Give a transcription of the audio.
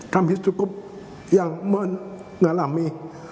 kami cukup yang mengalami